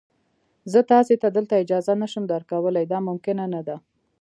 زه تاسي ته دلته اجازه نه شم درکولای، دا ممکنه نه ده.